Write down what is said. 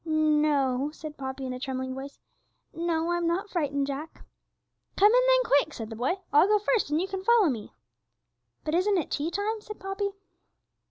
'No,' said Poppy, in a trembling voice; 'no, I'm not frightened, Jack.' 'Come in then, quick,' said the boy; 'I'll go first, and you can follow me.' 'But isn't it tea time?' said Poppy.